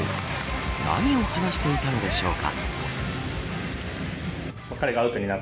何を話していたのでしょうか。